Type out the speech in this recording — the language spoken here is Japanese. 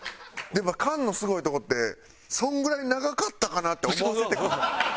菅のすごいとこってそのぐらい長かったかなって思わせてくるの。